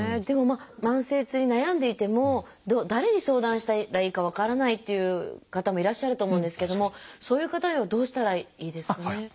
でも慢性痛に悩んでいても誰に相談したらいいか分からないっていう方もいらっしゃると思うんですけどもそういう方はどうしたらいいですかね？